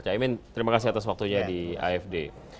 cak imin terima kasih atas waktunya di afd